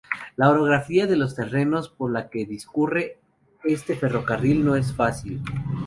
La orografía de los terrenos por los que discurre este ferrocarril no es fácil.